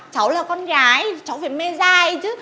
cháu là con gái cháu phải mê dai chứ